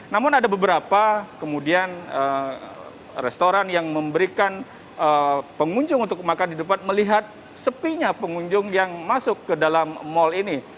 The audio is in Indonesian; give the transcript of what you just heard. namun ada beberapa kemudian restoran yang memberikan pengunjung untuk makan di depan melihat sepinya pengunjung yang masuk ke dalam mal ini